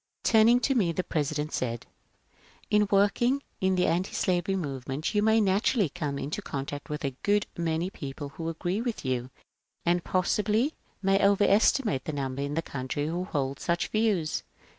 '" TurniDg to me the President said, " In work ing in the antislavery moyement you may naturaUy come in contact with a good many people who agree with you, and possibly may OYcrestimate the number in the country who hold such views.